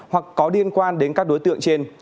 hoặc có liên quan đến các đối tượng trên